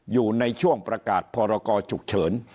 อยู่ในช่วงประกาศพรกรฉุกเฉิน